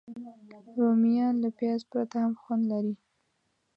رومیان له پیاز پرته هم خوند لري